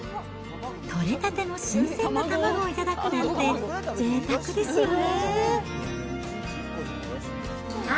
取れたての新鮮な卵を頂くなんて、ぜいたくですよね。